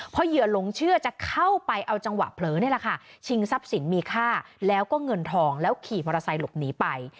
พอเหยื่อหลงเชื่อจะเข้าไปเอาจังหวะเผลอนี่แหละค่ะชิงทรัพย์สินมีค่าแล้วก็เงินทองแล้วขี่มอเตอร์ไซค์หลบหนีไป